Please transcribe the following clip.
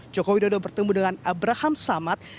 jokowi dodo bertemu dengan abramsamat